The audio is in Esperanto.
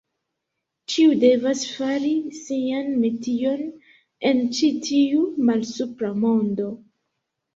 Ĉiu devas fari sian metion en ĉi tiu malsupra mondo.